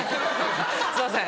すいません。